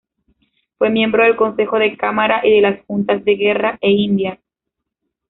Fue miembro del consejo de Cámara y de las juntas de Guerra e Indias.